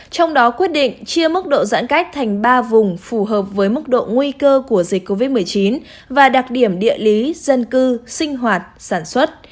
trong đó quyết định chia mức độ giãn cách thành ba vùng phù hợp với mức độ nguy cơ của dịch covid một mươi chín và đặc điểm địa lý dân cư sinh hoạt sản xuất